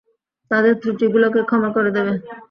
তাদের ত্রুটিগুলোকে ক্ষমা করে দেবে!